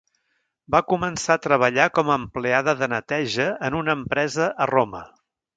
Va començar a treballar com a empleada de neteja en una empresa a Roma.